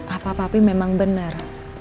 apa papi memang benar